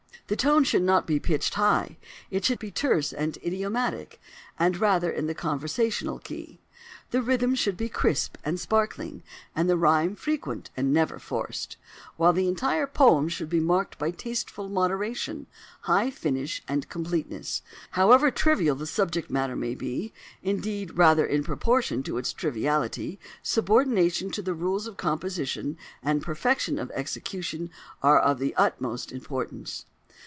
The tone should not be pitched high: it should be terse and idiomatic, and rather in the conversational key; the rhythm should be crisp and sparkling, and the rhyme frequent and never forced, while the entire poem should be marked by tasteful moderation, high finish, and completeness: for, however trivial the subject matter may be, indeed, rather in proportion to its triviality, subordination to the rules of composition, and perfection of execution, are of the utmost importance."